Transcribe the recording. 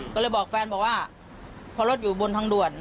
ก็เลยบอกแฟนบอกว่าพอรถอยู่บนทางด่วน